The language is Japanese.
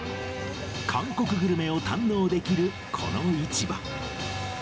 韓国グルメを堪能できるこの市場。